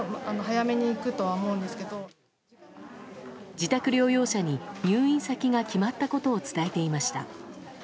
自宅療養者に入院先が決まったことを伝えていました。